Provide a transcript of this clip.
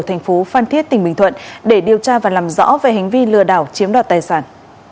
thành phố phan thiết tỉnh bình thuận để điều tra và làm rõ về hành vi lừa đảo chiếm đoạt tài sản